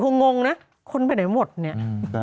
งงนะคนไปไหนหมดเนี่ย